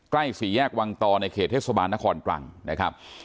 สี่แยกวังตอในเขตเทศบาลนครตรังนะครับ